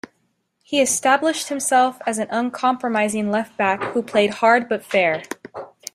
He established himself as an uncompromising left back who played hard but fair.